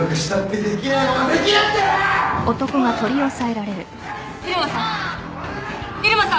入間さん！